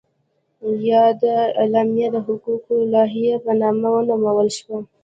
یاده اعلامیه د حقوقو لایحه په نامه ونومول شوه.